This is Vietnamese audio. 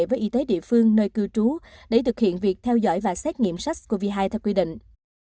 với y tế địa phương nơi cư trú để thực hiện việc theo dõi và xét nghiệm sars cov hai theo quy định